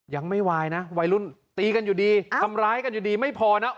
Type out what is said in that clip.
ยังไม่วายนะวัยรุ่นตีกันอยู่ดีทำร้ายกันอยู่ดีไม่พอนะ